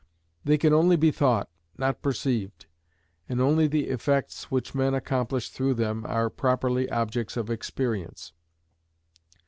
They can only be thought, not perceived, and only the effects which men accomplish through them are properly objects of experience.